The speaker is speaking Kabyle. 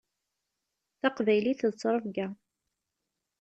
Taqbaylit d ttrebga.